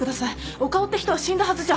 岡尾って人は死んだはずじゃ？